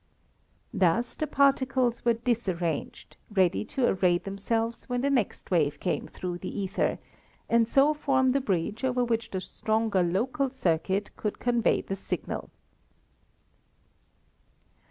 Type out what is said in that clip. Thus the particles were disarranged, ready to array themselves when the next wave came through the ether and so form the bridge over which the stronger local circuit could convey the signal.